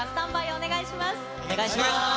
お願いします。